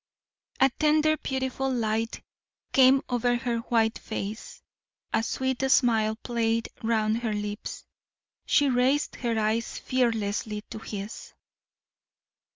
A tender beautiful light came over her white face, a sweet smile played round her lips. She raised her eyes fearlessly to his.